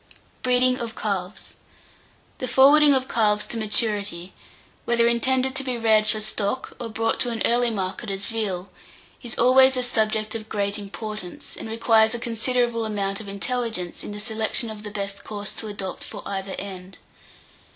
BREEDING OF CALVES. The forwarding of calves to maturity, whether intended to be reared for stock, or brought to an early market as veal, is always a subject of great importance, and requires a considerable amount of intelligence in the selection of the best course, to adopt for either end.